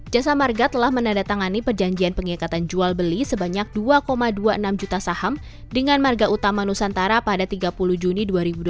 jasa marga telah menandatangani perjanjian pengikatan jual beli sebanyak dua dua puluh enam juta saham dengan marga utama nusantara pada tiga puluh juni dua ribu dua puluh